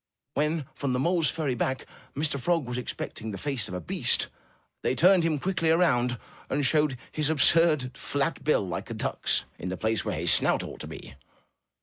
When, from the mole's furry back, Mr. Frog was expecting the face of a beast, they turned him quickly around, and showed his absurd flat bill like a duck's, in the place where his snout ought to be!